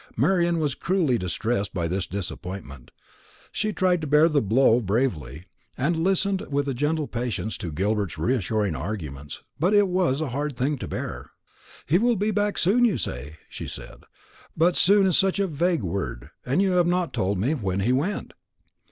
Marian was cruelly distressed by this disappointment. She tried to bear the blow bravely, and listened with a gentle patience to Gilbert's reassuring arguments; but it was a hard thing to bear. "He will be back soon, you say," she said; "but soon is such a vague word; and you have not told me when he went."